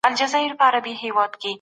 خپل ځان له هر ډول بدیو څخه لري وساتئ.